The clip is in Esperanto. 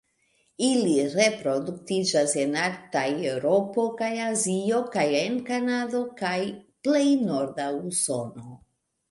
Ili reproduktiĝas en Arktaj Eŭropo kaj Azio kaj en Kanado kaj plej norda Usono.